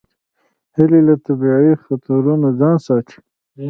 هیلۍ له طبیعي خطرونو ځان ساتي